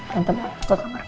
tante mau ke kamar